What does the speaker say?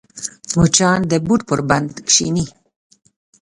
مچان د بوټ پر بند کښېني